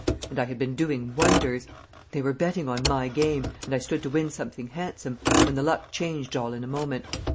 And I had been doing wonders. They were betting on my game, and I stood to win something handsome, when the luck changed all in a moment.